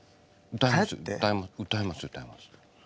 歌います歌います。